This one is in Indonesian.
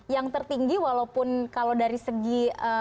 yang tertinggi walaupun kalau dari segi